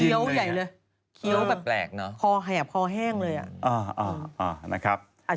เคี้ยวแบบแปลกเนาะ